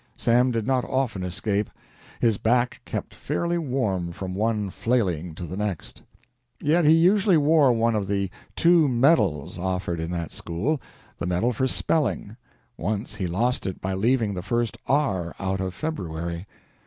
Sam did not often escape. His back kept fairly warm from one "flailing" to the next. Yet he usually wore one of the two medals offered in that school the medal for spelling. Once he lost it by leaving the first "r" out of February.